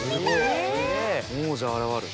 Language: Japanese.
猛者現る。